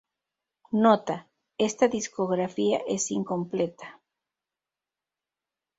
Nota: "Esta discografía es incompleta.